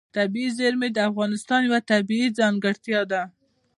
طبیعي زیرمې د افغانستان یوه طبیعي ځانګړتیا ده.